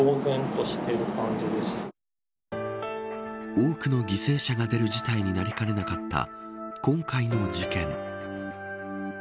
多くの犠牲者が出る事態になりかねなかった今回の事件。